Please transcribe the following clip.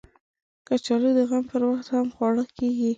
کچالو د غم پر وخت هم خواړه کېږي